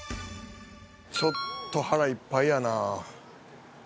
ちょっと腹いっぱいやなぁ。